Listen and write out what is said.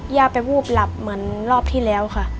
ย่าไปวูบหลับเหมือนรอบที่แล้วค่ะ